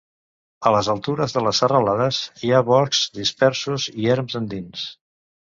A les altures de les serralades hi ha boscs dispersos i erms andins.